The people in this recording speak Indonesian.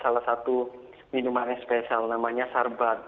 salah satu minuman yang spesial namanya sarbat